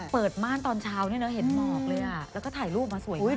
เปิดม่านตอนเช้าเนี่ยเห็นเดิร์กเลยอ่ะแล้วก็ถ่ายรูปมาสวยมาก